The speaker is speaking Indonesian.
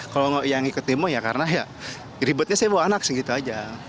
kalau yang ikut demo ya karena ya ribetnya saya bawa anak segitu aja